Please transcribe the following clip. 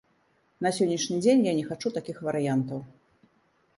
На сённяшні дзень я не хачу такіх варыянтаў.